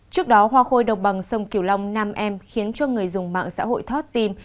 trước đó hoa khôi đồng bằng sông kiều long nam em khiến cho người dùng mạng xã hội thoát tim